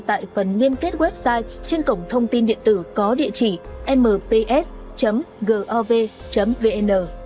tại phần liên kết website trên cổng thông tin điện tử có địa chỉ mps gov vn